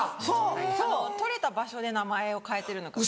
はい採れた場所で名前を変えてるのかと。